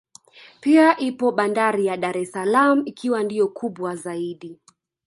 Pia ipo bandari ya Dar es salaam ikiwa ndiyo kubwa zaidi